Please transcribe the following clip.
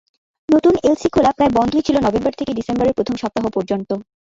নতুন এলসি খোলা প্রায় বন্ধই ছিল নভেম্বর থেকে ডিসেম্বরের প্রথম সপ্তাহ পর্যন্ত।